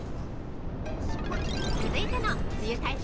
◆続いての梅雨対策